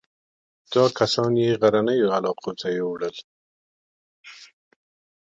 دا کسان یې غرنیو علاقو ته یووړل.